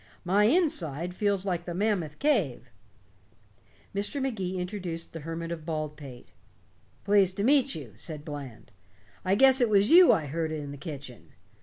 My inside feels like the Mammoth Cave." Mr. Magee introduced the Hermit of Baldpate. "Pleased to meet you," said Bland. "I guess it was you I heard in the kitchen.